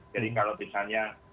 jadi kalau misalnya